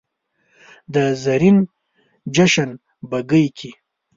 د زرین جشن بګۍ کې